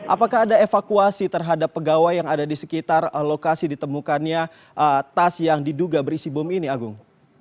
apakah ada evakuasi terhadap pegawai yang ada di sekitar lokasi ditemukannya tas yang diduga berisi bom ini agung